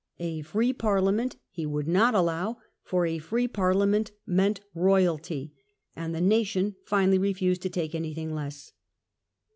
A free Parliament he would not allow, for a free Parliament meant Royalty, and the nation finally refused to take anything less.